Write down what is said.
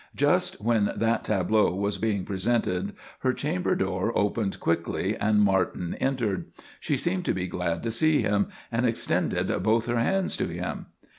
Just when that tableau was being presented her chamber door opened quickly, and Martin entered. She seemed to be glad to see him, and extended both her hands to him.